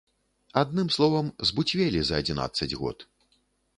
Адным словам, збуцвелі за адзінаццаць год.